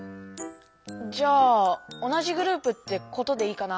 じゃあ同じグループってことでいいかな？